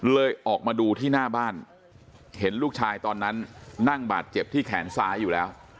ออกมาดูที่หน้าบ้านเห็นลูกชายตอนนั้นนั่งบาดเจ็บที่แขนซ้ายอยู่แล้ว